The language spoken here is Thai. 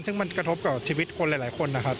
ซึ่งมันกระทบกับชีวิตคนหลายคนนะครับ